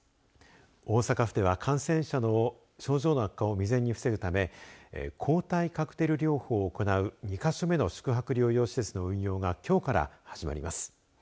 大阪府では感染者の症状の悪化を未然に防ぐため抗体カクテル療法を行う２か所目の宿泊療養施設の運用がきょうから始まります。